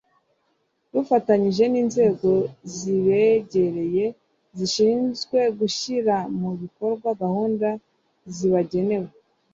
rufatanyije n’inzego zibegereye zishinzwe gushyira mu bikorwa gahunda zibagenewe.